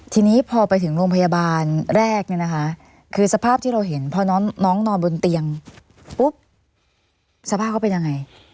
ทีนี้พอไปถึงโรงพยาบาลแรกเนี่ยนะคะคือสภาพที่เราเห็นพอน้องนอนบนเตียงปุ๊บสภาพเขาเป็นยังไง